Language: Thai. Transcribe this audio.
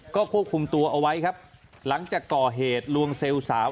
ก็ควบคุมตัวเอาไว้ครับหลังจากก่อเหตุลวงเซลล์สาว